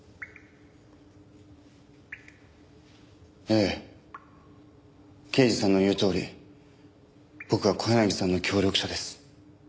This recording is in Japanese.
ええ刑事さんの言うとおり僕は小柳さんの協力者です。